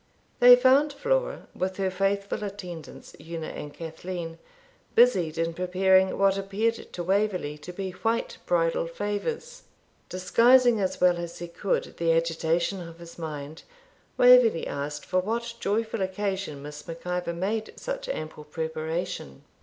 They found Flora, with her faithful attendants, Una and Cathleen, busied in preparing what appeared to Waverley to be white bridal favours. Disguising as well as he could the agitation of his mind, Waverley asked for what joyful occasion Miss Mac Ivor made such ample preparation.